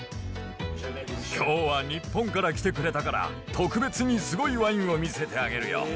きょうは日本から来てくれたから、特別にすごいワインを見せてあげるよ。